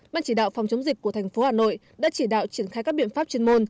ban chỉ đạo phòng chống dịch của thành phố hà nội đã chỉ đạo triển khai các biện pháp chuyên môn